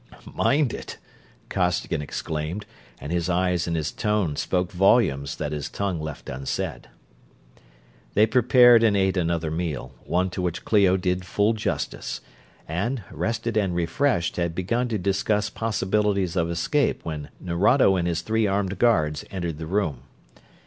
"Mind it!" Costigan exclaimed, and his eyes and his tone spoke volumes that his tongue left unsaid. They prepared and ate another meal, one to which Clio did full justice; and, rested and refreshed, had begun to discuss possibilities of escape when Nerado and his three armed guards entered the room.